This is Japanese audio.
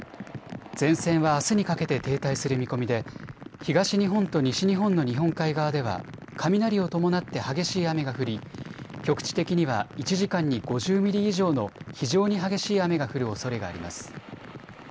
前線はあすにかけて停滞する見込みで東日本と西日本の日本海側では雷を伴って激しい雨が降り局地的には１時間に５０ミリ以上の非常に激しい雨が降るおそれがあります。